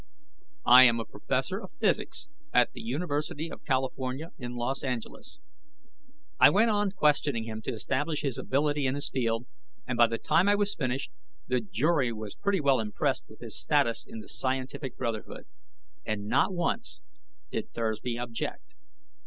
"I am a Professor of Physics, at the University of California in Los Angeles." I went on questioning him to establish his ability in his field, and by the time I was finished, the jury was pretty well impressed with his status in the scientific brotherhood. And not once did Thursby object.